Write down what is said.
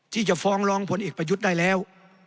ที่จะฟ้องร้องผลเอกประยุทธ์ได้แล้ว